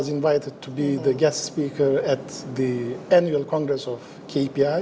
saya diperkenalkan sebagai penyampaian di kongres tahun tahun kpi